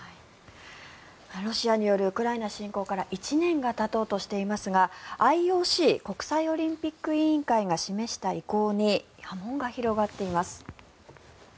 ロシアによるウクライナ侵攻から１年がたとうとしていますがＩＯＣ・国際オリンピック委員会が示した意向に波紋が広がっています。